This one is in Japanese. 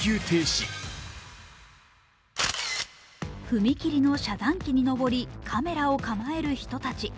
踏切の遮断機に上り、カメラを構える人たち。